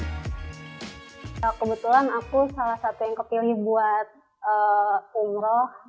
kebetulan aku salah satu yang kepilih buat umroh